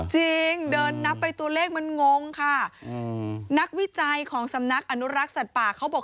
จริงเดินนับไปตัวเลขมันงงค่ะนักวิจัยของสำนักอนุรักษ์สัตว์ป่าเขาบอก